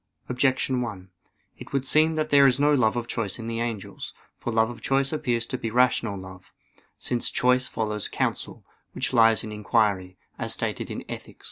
Objection 1: It would seem that there is no love of choice in the angels. For love of choice appears to be rational love; since choice follows counsel, which lies in inquiry, as stated in _Ethic.